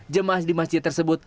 jemaah di masjid tersebut